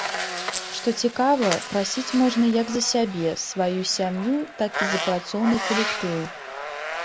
Што цікава, прасіць можна як за сябе, сваю сям'ю, так і за працоўны калектыў.